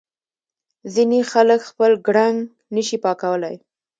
ځینې خلک خپل ګړنګ نه شي پاکولای.